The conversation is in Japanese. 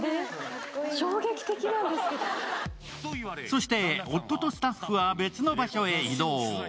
そして、夫とスタッフは別の場所へ移動。